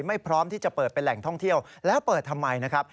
พร้อมที่จะเปิดเป็นแหล่งท่องเที่ยวแล้วเปิดทำไมนะครับ